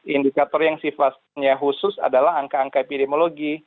indikator yang sifatnya khusus adalah angka angka epidemiologi